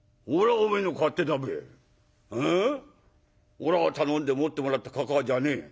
おらが頼んで持ってもらったかかあじゃねえ。